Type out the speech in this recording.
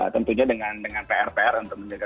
tentunya dengan pr pr untuk menjaga